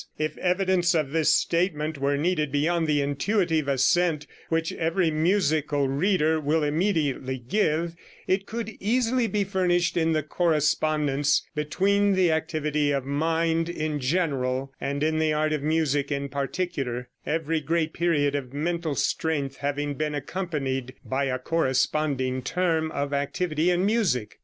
If evidence of this statement were needed beyond the intuitive assent which every musical reader will immediately give, it could easily be furnished in the correspondence between the activity of mind in general and in the art of music in particular, every great period of mental strength having been accompanied by a corresponding term of activity in music.